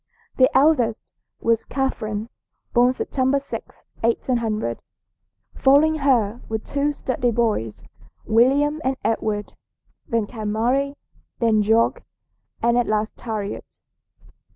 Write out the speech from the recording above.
The eldest was Catherine, born September 6, 1800. Following her were two sturdy boys, William and Edward; then came Mary, then George, and at last Harriet.